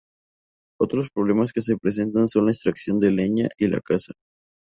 Otros problemas que se presentan son la extracción de leña y la caza.